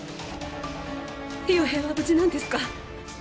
陽平は無事なんですか！？